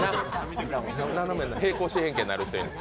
平行四辺形になる人、おんねん。